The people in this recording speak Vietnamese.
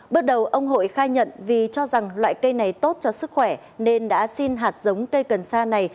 bước đầu ông hội khai nhận vì cho rằng loại cây này tốt cho sức khỏe nên đã xin hạt giống cây cần sa này